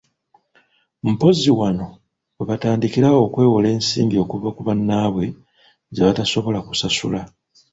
Mpozzi wano we batandikira okwewola ensimbi okuva ku bannaabwe zebatasobola kusasula!